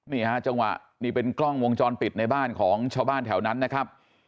นี่ฮะจังหวะนี่เป็นกล้องวงจรปิดในบ้านของชาวบ้านแถวนั้นนะครับ